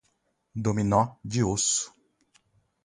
Dominó de osso